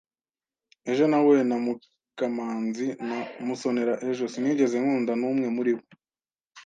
Ejo nahuye na Mukamanzi na Musonera ejo. Sinigeze nkunda n'umwe muri bo.